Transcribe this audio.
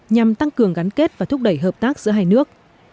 nhằm tăng cường gắn kết và thúc đẩy hợp tác giữa hai nước